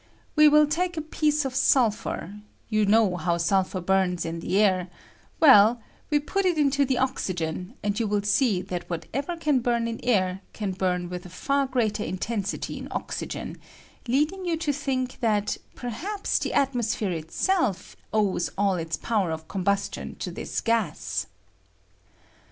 We wiU take a piece of sulphur : you know how sulphur bums in the air ; well, we put it into the oxygen, and you will see that whatever can bum in air can bum with a far greater intensity in oxygen, leading you to think that perhaps the atmosphere itself J SULPHUR BUBNIFG IN OXYGEN. 117 owes all its power of combustion to this gas.